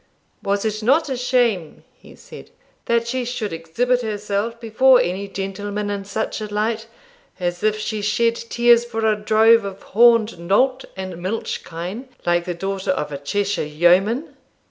'Was it not a shame,' he said, 'that she should exhibit herself before any gentleman in such a light, as if she shed tears for a drove of horned nolt and milch kine, like the daughter of a Cheshire yeoman!